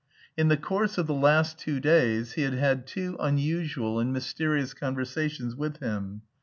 In the course of the last two days, he had had two unusual and mysterious conversations with him.